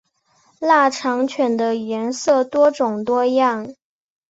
腊肠犬的颜色多种多样。